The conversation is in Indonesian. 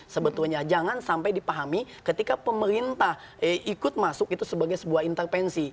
sebetulnya jangan sampai dipahami ketika pemerintah ikut masuk itu sebagai sebuah intervensi